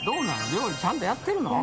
料理ちゃんとやってるの？